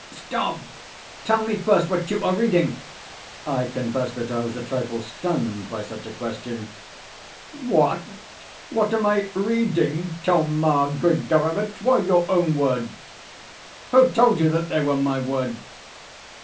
"Stop! tell me first what you are reading." I confess that I was a trifle stunned by such a question. "What! what am I reading, Thoma Grigorovitch? Why, your own words." "Who told you that they were my words?"